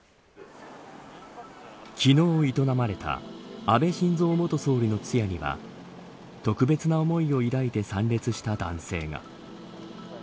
昨日営まれた安倍晋三元総理の通夜には特別な思いを抱いて参列した男性が。